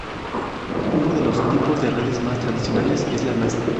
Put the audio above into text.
Uno de los tipos de redes más tradicionales es la nasa.